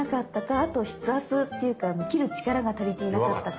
あと筆圧っていうか切る力が足りていなかったか。